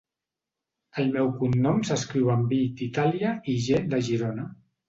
El meu cognom s'escriu amb i d'Itàlia i ge de Girona.